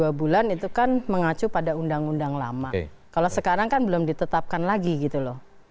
ya tapi kalau dua puluh dua bulan itu kan mengacu pada undang undang lama kalau sekarang kan belum ditetapkan lagi gitu loh